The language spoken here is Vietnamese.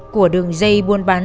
của đường dây buôn bán